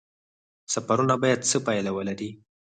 سفرونه باید څه پایله ولري؟